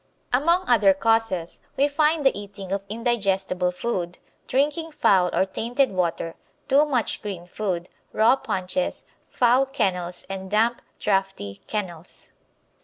Among other causes, we find the eating of indigestible food, drinking foul or tainted water, too much green food, raw paunches, foul kennels, and damp, draughty kennels.